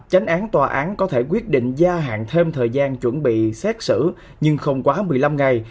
tránh án tòa án có thể quyết định gia hạn thêm thời gian chuẩn bị xét xử nhưng không quá một mươi năm ngày